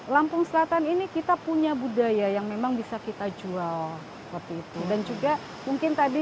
lampung selatan ini kita punya budaya yang memang bisa kita jual waktu itu dan juga mungkin tadi